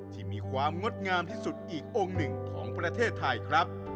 ที่มีความงดงามที่สุดอีกองค์หนึ่งของประเทศไทยครับ